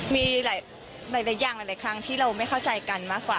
มีหลายอย่างหลายครั้งที่เราไม่เข้าใจกันมากกว่า